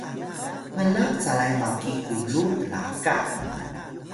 blaq calay maki kulu tlaka